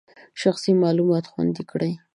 شخصي معلومات خوندي کړئ.